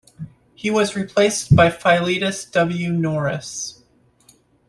He was replaced by Philetus W. Norris.